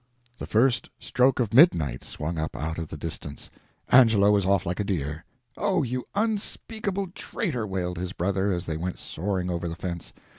the first stroke of midnight swung up out of the distance; Angelo was off like a deer! "Oh, you unspeakable traitor!" wailed his brother, as they went soaring over the fence.